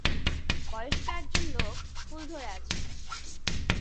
বয়স্ক একজন লোক ফুল ধরে আছেন